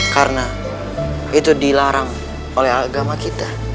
karena itu dilarang oleh agama kita